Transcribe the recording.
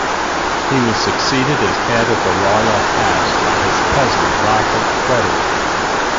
He was succeeded as head of the royal house by his cousin Robert Frederick.